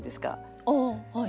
ああはい。